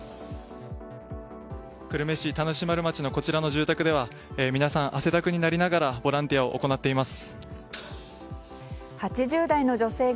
久留米市田主丸町のこちらの住宅では皆さん、汗だくになりながらボランティアを行っています。